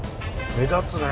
目立つね。